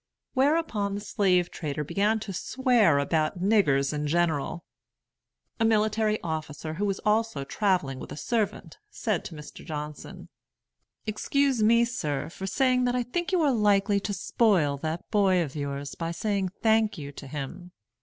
Whereupon the slave trader began to swear about niggers in general. A military officer, who was also travelling with a servant, said to Mr. Johnson: "Excuse me, sir, for saying I think you are likely to spoil that boy of yours by saying 'thank you' to him.